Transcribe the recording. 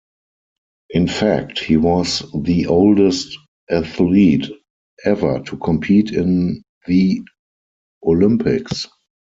In fact, he was the oldest athlete ever to compete in the Olympics.